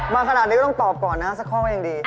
มาขนาดนี้ก็ต้องตอบก่อนนะสักข้อก็ยังดี